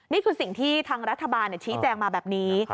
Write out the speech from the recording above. นี่คือสิ่งที่ทางรัฐบาลชี้แจงมาแบบนี้